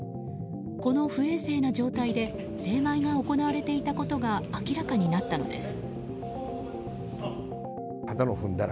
この不衛生な状態で精米が行われていたことが明らかになったのです。